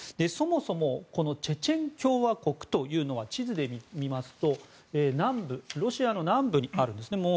そもそもチェチェン共和国というのは地図で見ますとロシアの南部にあるんですね。